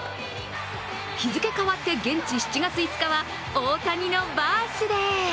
日付変わって現地７月５日は大谷のバースデー。